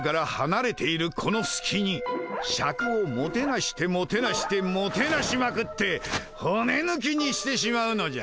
このすきにシャクをもてなしてもてなしてもてなしまくって骨抜きにしてしまうのじゃ。